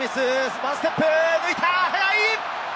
１ステップ、抜いた、速い！